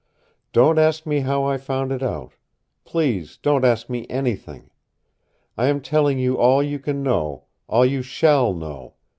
Don't ask me how I found it out. Please don't ask me anything. I am telling you all you can know, all you SHALL know.